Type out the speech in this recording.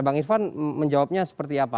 bang irfan menjawabnya seperti apa